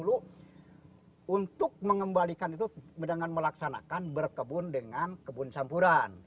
untuk mengembalikan itu dengan melaksanakan berkebun dengan kebun sampuran